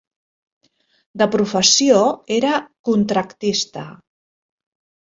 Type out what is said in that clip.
De professió era contractista.